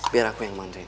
biar aku yang mantuin